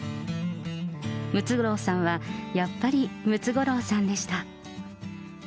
ムツゴロウさんはやっぱりムツゴロウさんでした。